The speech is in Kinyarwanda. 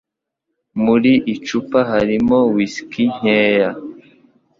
Muri icupa harimo whisky nkeya.